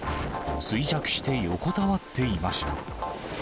衰弱して横たわっていました。